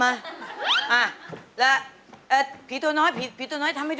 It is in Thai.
อ้าวมา